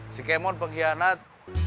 si kemon pengkhianat